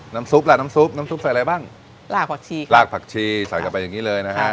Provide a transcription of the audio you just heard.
ซุปล่ะน้ำซุปน้ำซุปใส่อะไรบ้างลากผักชีค่ะลากผักชีใส่กันไปอย่างงี้เลยนะฮะ